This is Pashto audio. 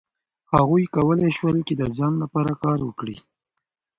هغوی کولای شول چې د ځان لپاره کار وکړي.